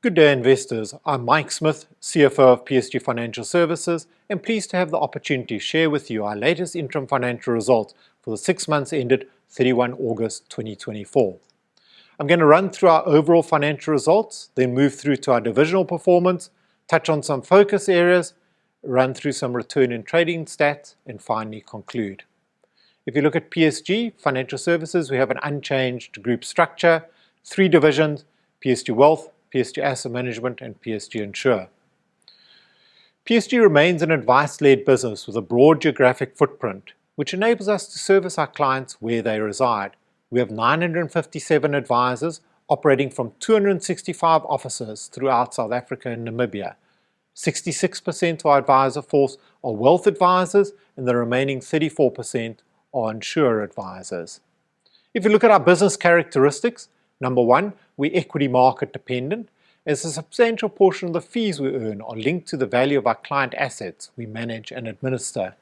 Good day, investors. I'm Mike Smith, Chief Financial Officer of PSG Financial Services, and pleased to have the opportunity to share with you our latest interim financial results for the six months ended 31 August 2024. I'm going to run through our overall financial results, then move through to our divisional performance, touch on some focus areas, run through some return and trading stats, and finally conclude. If you look at PSG Financial Services, we have an unchanged group structure. Three divisions: PSG Wealth, PSG Asset Management, and PSG Insure. PSG remains an advice-led business with a broad geographic footprint, which enables us to service our clients where they reside. We have 957 advisors operating from 265 offices throughout South Africa and Namibia. 66% of our advisor force are wealth advisors, and the remaining 34% are insure advisors. If you look at our business characteristics, number one, we're equity market dependent, as a substantial portion of the fees we earn are linked to the value of our client assets we manage and administer.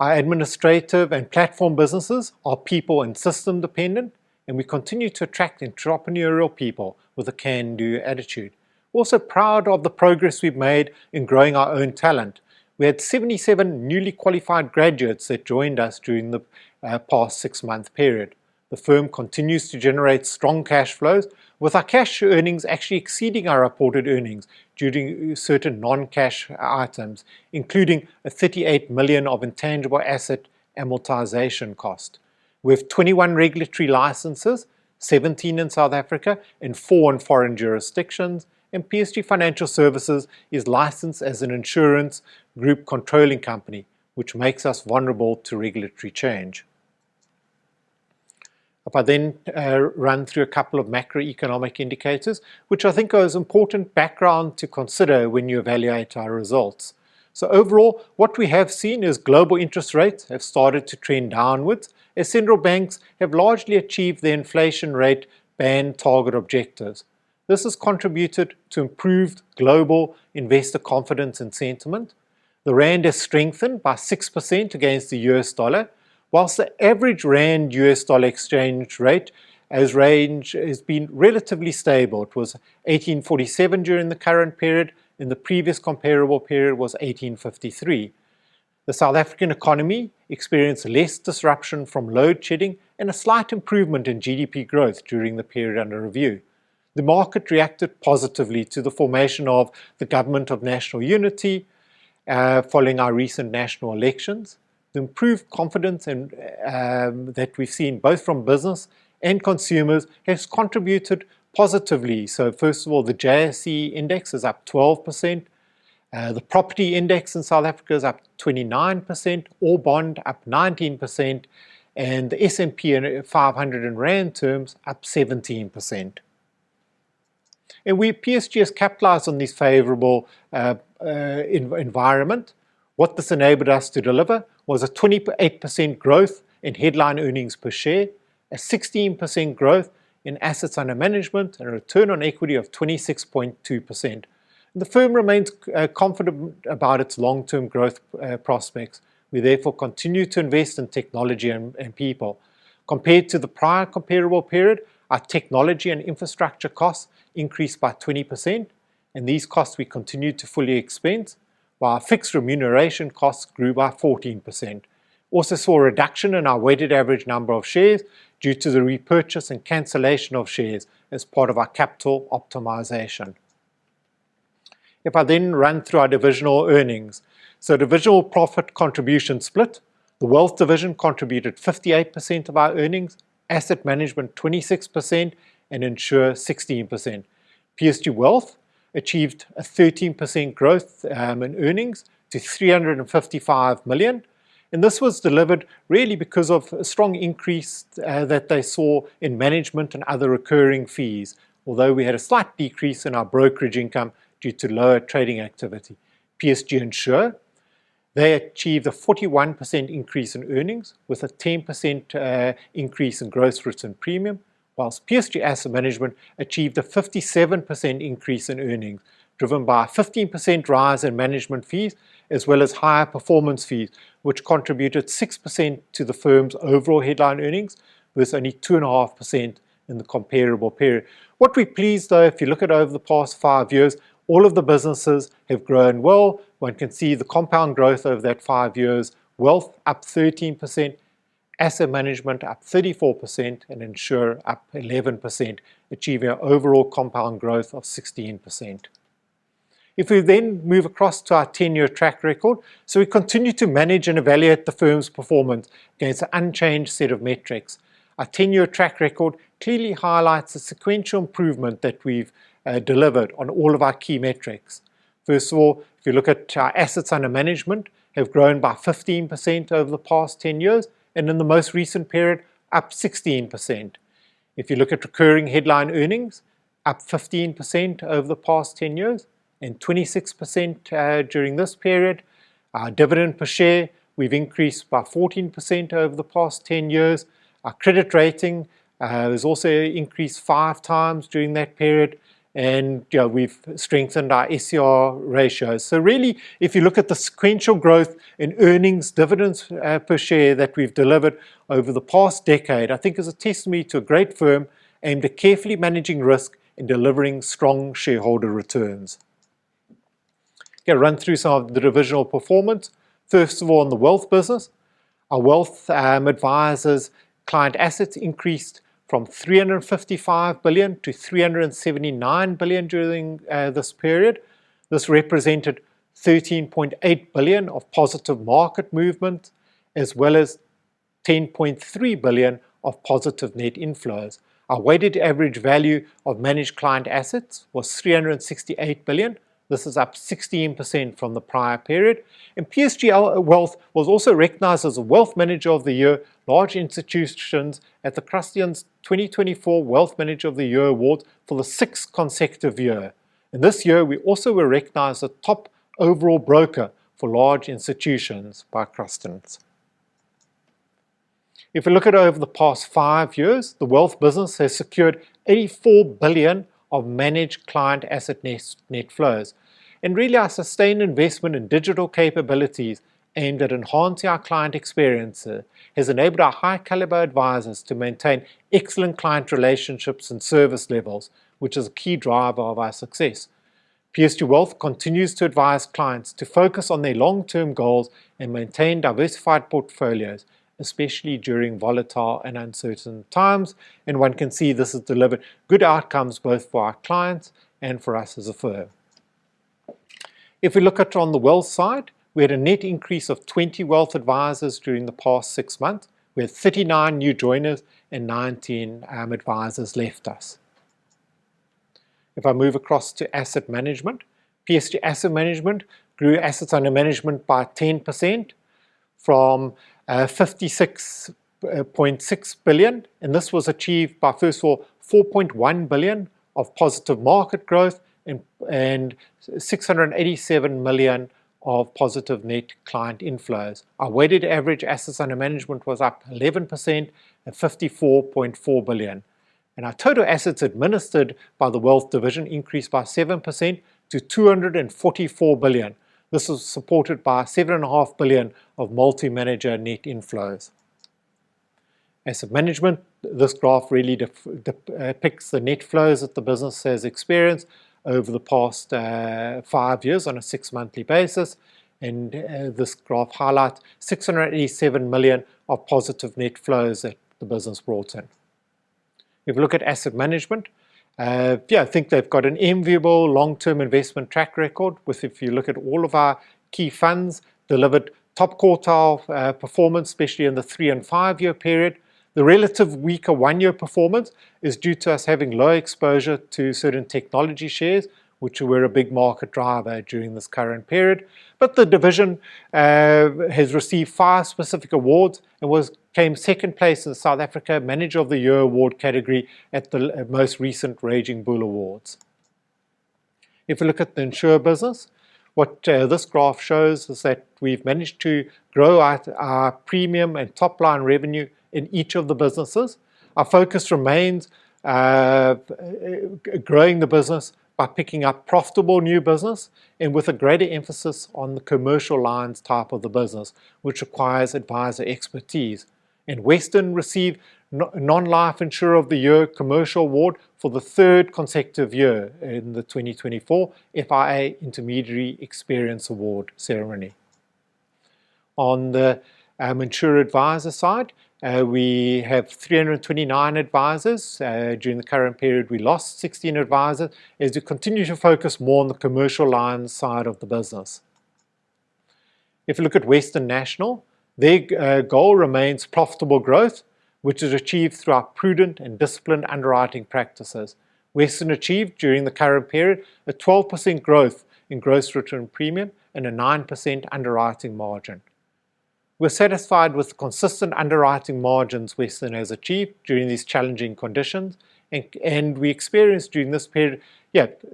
Our administrative and platform businesses are people and system dependent, and we continue to attract entrepreneurial people with a can-do attitude. We're also proud of the progress we've made in growing our own talent. We had 77 newly qualified graduates that joined us during the past six-month period. The firm continues to generate strong cash flows, with our cash earnings actually exceeding our reported earnings due to certain non-cash items, including a 38 million of intangible asset amortization cost. We have 21 regulatory licenses, 17 in South Africa and four in foreign jurisdictions. PSG Financial Services is licensed as an insurance group controlling company, which makes us vulnerable to regulatory change. If I then run through a couple of macroeconomic indicators, which I think are important background to consider when you evaluate our results. Overall, what we have seen is global interest rates have started to trend downwards as central banks have largely achieved their inflation rate band target objectives. This has contributed to improved global investor confidence and sentiment. The rand has strengthened by 6% against the US dollar, whilst the average rand-US dollar exchange rate as range has been relatively stable. It was 18.47 during the current period. In the previous comparable period was 18.53. The South African economy experienced less disruption from load shedding and a slight improvement in GDP growth during the period under review. The market reacted positively to the formation of the Government of National Unity following our recent national elections. The improved confidence that we've seen both from business and consumers has contributed positively. First of all, the JSE index is up 12%. The property index in South Africa is up 29%, All Bond up 19%, and the S&P 500 in rand terms up 17%. We at PSG has capitalized on this favorable environment. What this enabled us to deliver was a 28% growth in headline earnings per share, a 16% growth in assets under management, and a return on equity of 26.2%. The firm remains confident about its long-term growth prospects. We therefore continue to invest in technology and people. Compared to the prior comparable period, our technology and infrastructure costs increased by 20%, and these costs we continue to fully expense, while our fixed remuneration costs grew by 14%. We also saw a reduction in our weighted average number of shares due to the repurchase and cancellation of shares as part of our capital optimization. I then run through our divisional earnings. Divisional profit contribution split. The PSG Wealth division contributed 58% of our earnings, PSG Asset Management 26%, and PSG Insure 16%. PSG Wealth achieved a 13% growth in earnings to 355 million. This was delivered really because of a strong increase that they saw in management and other recurring fees. Although we had a slight decrease in our brokerage income due to lower trading activity. PSG Insure, they achieved a 41% increase in earnings with a 10% increase in gross written premium. Whilst PSG Asset Management achieved a 57% increase in earnings, driven by a 15% rise in management fees, as well as higher performance fees, which contributed 6% to the firm's overall headline earnings, with only 2.5% in the comparable period. We're pleased, though, if you look at over the past five years, all of the businesses have grown well. One can see the compound growth over that five years. PSG Wealth up 13%, PSG Asset Management up 34%, and PSG Insure up 11%, achieving an overall compound growth of 16%. We then move across to our 10-year track record. We continue to manage and evaluate the firm's performance against an unchanged set of metrics. Our 10-year track record clearly highlights the sequential improvement that we've delivered on all of our key metrics. First of all, if you look at our assets under management, have grown by 15% over the past 10 years, and in the most recent period, up 16%. You look at recurring headline earnings, up 15% over the past 10 years and 26% during this period. Our dividend per share, we've increased by 14% over the past 10 years. Our credit rating has also increased five times during that period, and we've strengthened our SCR ratio. Really, if you look at the sequential growth in earnings, dividends per share that we've delivered over the past decade, I think is a testimony to a great firm aimed at carefully managing risk and delivering strong shareholder returns. I am going to run through some of the divisional performance. First of all, in the PSG Wealth business, our wealth advisors' client assets increased from 355 billion to 379 billion during this period. This represented 13.8 billion of positive market movement, as well as 10.3 billion of positive net inflows. Our weighted average value of managed client assets was 368 billion. This is up 16% from the prior period. PSG Wealth was also recognized as Wealth Manager of the Year, Large Institutions at the Krutham's 2024 Wealth Manager of the Year Award for the sixth consecutive year. This year, we also were recognized as the top overall broker for large institutions by Krutham. We look at over the past five years, the PSG Wealth business has secured 84 billion of managed client asset net flows. Really, our sustained investment in digital capabilities aimed at enhancing our client experience has enabled our high caliber advisors to maintain excellent client relationships and service levels, which is a key driver of our success. PSG Wealth continues to advise clients to focus on their long-term goals and maintain diversified portfolios, especially during volatile and uncertain times, one can see this has delivered good outcomes both for our clients and for us as a firm. We look at on the wealth side, we had a net increase of 20 wealth advisors during the past six months. We had 39 new joiners and 19 advisors left us. I move across to asset management, PSG Asset Management grew assets under management by 10% from 56.6 billion, this was achieved by, first of all, 4.1 billion of positive market growth and 687 million of positive net client inflows. Our weighted average assets under management was up 11% at 54.4 billion. Our total assets administered by the wealth division increased by 7% to 244 billion. This was supported by 7.5 billion of multi-manager net inflows. Asset management. This graph really depicts the net flows that the business has experienced over the past five years on a six-monthly basis. This graph highlights 687 million of positive net flows that the business brought in. You look at asset management, I think they've got an enviable long-term investment track record with, you look at all of our key funds, delivered top quartile performance, especially in the three and five-year period. The relative weaker one-year performance is due to us having low exposure to certain technology shares, which were a big market driver during this current period. The division has received five specific awards and came second place in the South Africa Manager of the Year award category at the most recent Raging Bull Awards. You look at the insurer business, what this graph shows is that we've managed to grow our premium and top-line revenue in each of the businesses. Our focus remains growing the business by picking up profitable new business and with a greater emphasis on the commercial lines type of the business, which requires advisor expertise. Western received Non-Life Insurer of the Year Commercial Award for the third consecutive year in the 2024 FIA Intermediary Experience Awards ceremony. On the insurer advisor side, we have 329 advisors. During the current period, we lost 16 advisors as we continue to focus more on the commercial lines side of the business. You look at Western National, their goal remains profitable growth, which is achieved through our prudent and disciplined underwriting practices. Western achieved during the current period, a 12% growth in gross written premium and a 9% underwriting margin. We're satisfied with the consistent underwriting margins Western has achieved during these challenging conditions, we experienced during this period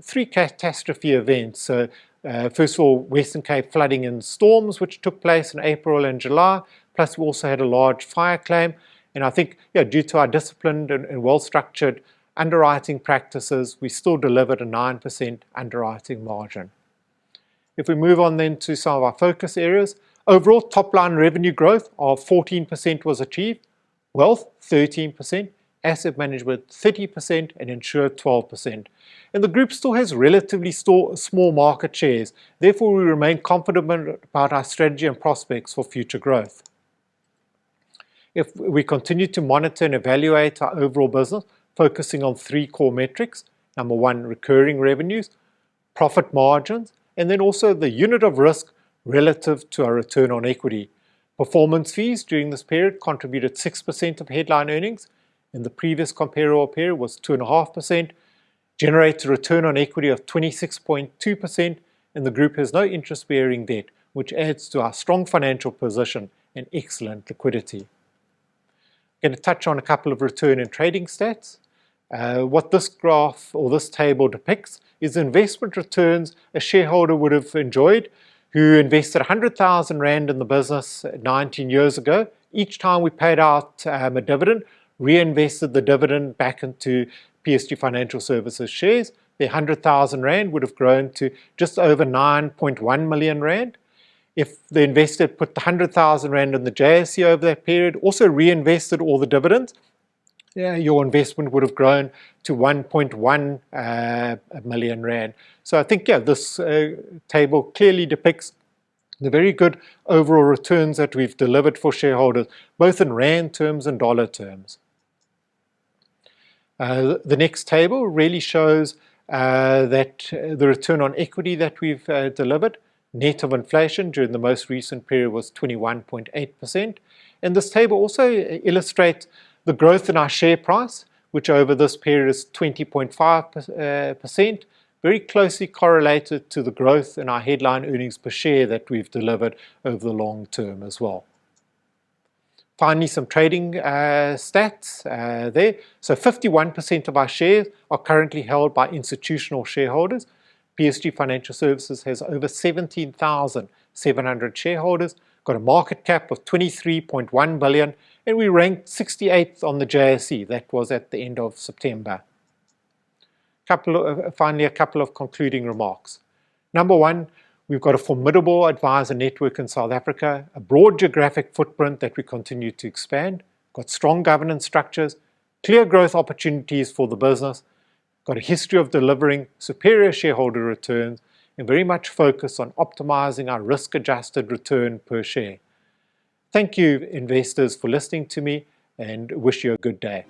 three catastrophe events. First of all, Western Cape flooding and storms, which took place in April and July. We also had a large fire claim. I think due to our disciplined and well-structured underwriting practices, we still delivered a 9% underwriting margin. We move on then to some of our focus areas. Overall top-line revenue growth of 14% was achieved. Wealth 13%, asset management 30%, and insurer 12%. The group still has relatively small market shares. Therefore, we remain confident about our strategy and prospects for future growth. We continue to monitor and evaluate our overall business, focusing on three core metrics. Number one, recurring revenues, profit margins, and then also the unit of risk relative to our return on equity. Performance fees during this period contributed 6% of headline earnings. In the previous comparable period was 2.5%, generated a return on equity of 26.2%, and the group has no interest-bearing debt, which adds to our strong financial position and excellent liquidity. Going to touch on a couple of return and trading stats. What this graph or this table depicts is investment returns a shareholder would have enjoyed who invested 100,000 rand in the business 19 years ago. Each time we paid out a dividend, reinvested the dividend back into PSG Financial Services shares. The 100,000 rand would've grown to just over 9.1 million rand. If the investor put the 100,000 rand in the JSE over that period, also reinvested all the dividends, your investment would've grown to 1.1 million rand. I think, this table clearly depicts the very good overall returns that we've delivered for shareholders, both in rand terms and dollar terms. The next table really shows that the return on equity that we've delivered net of inflation during the most recent period was 21.8%. This table also illustrates the growth in our share price, which over this period is 20.5%, very closely correlated to the growth in our headline earnings per share that we've delivered over the long term as well. Finally, some trading stats there. 51% of our shares are currently held by institutional shareholders. PSG Financial Services has over 17,700 shareholders, got a market cap of 23.1 billion, and we ranked 68th on the JSE. That was at the end of September. Finally, a couple of concluding remarks. Number one, we've got a formidable advisor network in South Africa, a broad geographic footprint that we continue to expand, got strong governance structures, clear growth opportunities for the business, got a history of delivering superior shareholder returns, and very much focused on optimizing our risk-adjusted return per share. Thank you, investors, for listening to me, and wish you a good day.